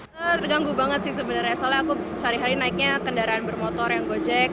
terganggu banget sih sebenarnya soalnya aku sehari hari naiknya kendaraan bermotor yang gojek